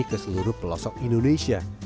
ke seluruh pelosok indonesia